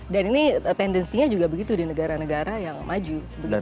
dan ini tendensinya juga begitu di negara negara yang maju begitu ya